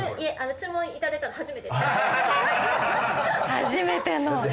初めての！